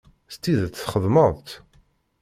S tidet txedmeḍ-tt?